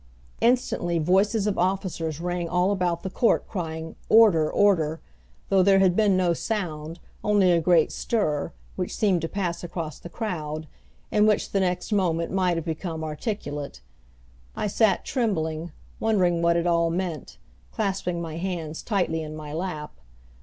Instantly voices of officers rang all about the court, crying, "Order, order!" though there had been no sound, only a great stir, which seemed to pass across the crowd, and which the next moment might have become articulate. I sat trembling, wondering what it all meant, clasping my hands tightly in my lap.